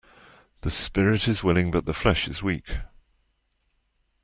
The spirit is willing but the flesh is weak.